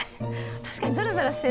確かにザラザラしてる。